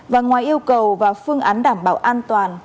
và ngoài yêu cầu và phương án đảm bảo an toàn